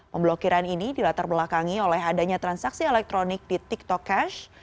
pemblokiran ini dilatar belakangi oleh adanya transaksi elektronik di tiktok cash